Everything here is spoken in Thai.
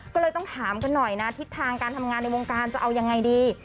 ก็เลยต้องถามกันหน่อยนะทิศทางการทำงานในวงการจะเอายังไงดี